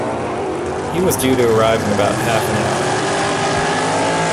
He was due to arrive in about half an hour.